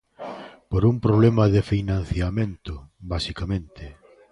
Por un problema de financiamento, basicamente.